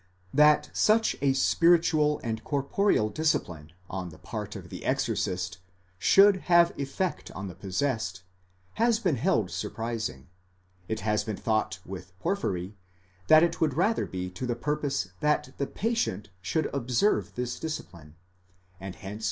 That such a spiritual and corporeal discipline on the part of the exorcist should have effect on the possessed, has been held surprising : it has been thought with Porphyry,*® that it would rather be to the purpose that the patient should observe this discipline, and hence it has 44 Schleiermacher, s.